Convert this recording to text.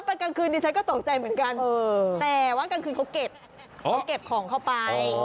แปดวะเขาเก็บของเข้าไป